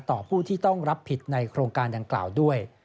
ผู้ที่ต้องรับผิดในโครงการดังกล่าวด้วย